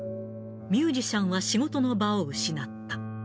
ミュージシャンは仕事の場を失った。